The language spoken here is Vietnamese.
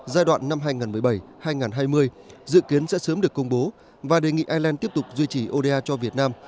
giai đoạn năm hai nghìn một mươi bảy hai nghìn hai mươi dự kiến sẽ sớm được công bố và đề nghị ireland tiếp tục duy trì oda cho việt nam